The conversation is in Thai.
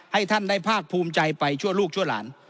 ให้ท่านได้ภาคภูมิใจไปชั่วลูกชั่วหลาน